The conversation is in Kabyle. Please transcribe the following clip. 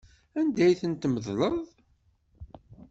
Anda i ten-tmeḍleḍ?